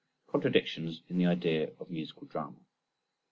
_Contradictions in the Idea of Musical Drama.